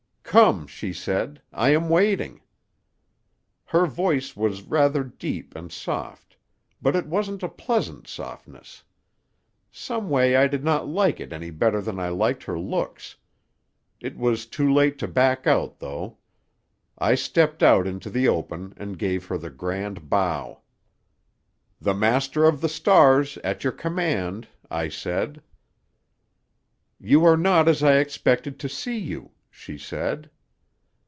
"'Come,' she said. 'I am waiting.' "Her voice was rather deep and soft. But it wasn't a pleasant softness. Some way I did not like it any better than I liked her looks. It was too late to back out, though. I stepped out into the open and gave her the grand bow. "'The Master of the Stars, at your command,' I said. "'You are not as I expected to see you,' she said.